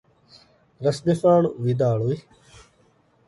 ރަސްގެފާނު ވިދާޅުވި